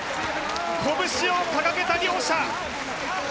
拳を掲げた両者。